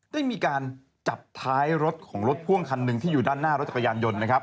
ได้มีการจับท้ายรถของรถพ่วงคันหนึ่งที่อยู่ด้านหน้ารถจักรยานยนต์นะครับ